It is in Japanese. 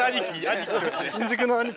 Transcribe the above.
新宿の兄貴。